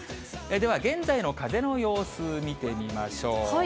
では、現在の風の様子見てみましょう。